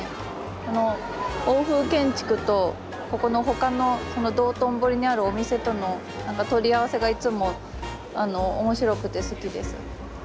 この欧風建築とここの他のこの道頓堀にあるお店との取り合わせがいつも面白くて好きです。